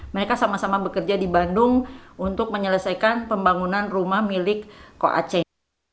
mereka sama sama bekerja di bandung untuk menyelesaikan pembangunan rumah milik koaching